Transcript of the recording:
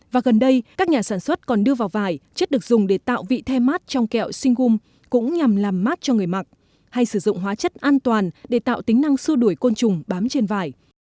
và gần đây các nhà sản xuất còn đưa vào vải chất được dùng để tạo vị the mát trong kẹo singum cũng nhằm làm mát cho người mặc hay sử dụng hóa chất an toàn để tạo tính năng sưu đuổi côn trùng bám trên vải